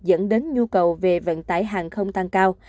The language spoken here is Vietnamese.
dẫn đến nhu cầu về vận tải hàng không tăng cao